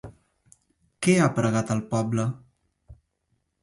Què ha pregat al poble?